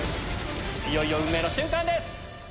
いよいよ運命の瞬間です！